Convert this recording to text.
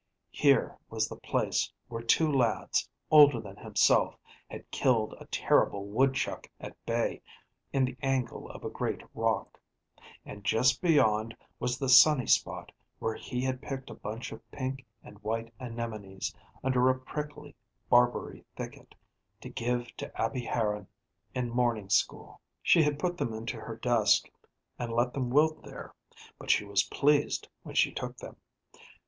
Here was the place where two lads, older than himself, had killed a terrible woodchuck at bay in the angle of a great rock; and just beyond was the sunny spot where he had picked a bunch of pink and white anemones under a prickly barberry thicket, to give to Abby Harran in morning school. She had put them into her desk, and let them wilt there, but she was pleased when she took them.